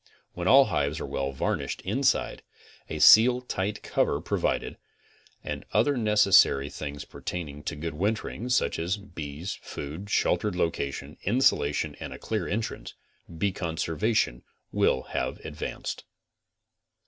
When all hives are well varnished inside, a seal tight cover provided, and other nec essary things pertaining to good wintering, such as bees, food, sheltered location, insulation and a clear entrance, bee conserva tion will have advanced.